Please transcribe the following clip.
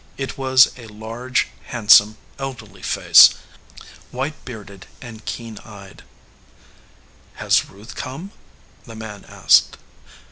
It was a large, hand some, elderly face, white bearded and keen eyed. "Has Ruth come?" the man asked.